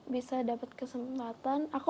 bisa dapat kesempatan